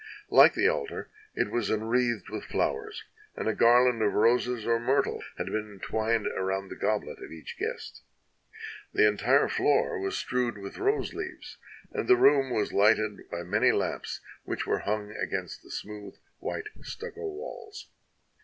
Like the altar, it was enwreathed with flowers, and a garland of roses or myrtle had been twined around the goblet of each guest. The entire floor was strewed with rose leaves, and the room hghted by many lamps which v/ere hung against the smooth, white, stucco walls.